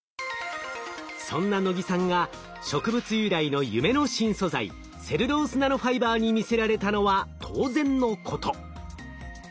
そんな能木さんが植物由来の夢の新素材セルロースナノファイバーに魅せられたのは当然のこと。